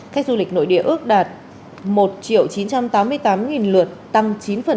khách du lịch nội địa ước đạt một chín trăm tám mươi tám lượt tăng chín